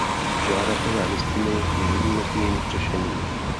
Žádat nové listiny je jednoduchým řešením.